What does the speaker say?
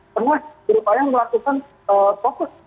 semua rupaya melakukan fokus